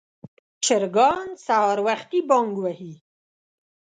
چرګان سهار وختي بانګ وهي.